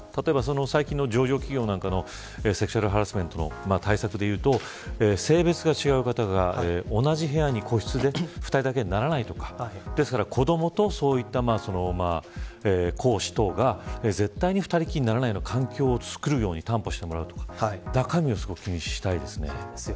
最近の上場企業のセクシャルハラスメントの対策でいうと性別が違う方が、同じ部屋に個室で２人だけにならないとか子どもとそういった講師等が絶対に２人きりにならないような環境を作るように担保してもらうとか中身をすごく気にしたいですね。